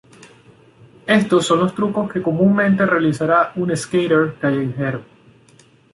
Estos son los trucos que comúnmente realizará un "skater" callejero.